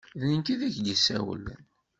D nekk i k-d-yessawlen.